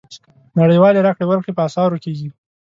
نړیوالې راکړې ورکړې په اسعارو کېږي.